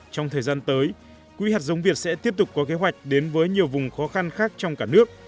trong thời gian tới quỹ hạt giống việt sẽ tiếp tục có kế hoạch đến với nhiều vùng khó khăn khác trong cả nước